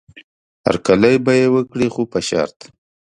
هرکلی به یې وکړي خو په شرط.